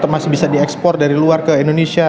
masih bisa diekspor dari luar ke indonesia